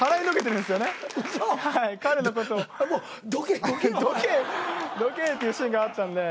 どけ！っていうシーンがあったんで。